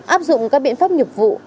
áp dụng các biện pháp nhuệp vụ